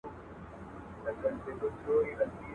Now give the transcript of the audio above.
رسېدلی د لېوه په ځان بلاوو.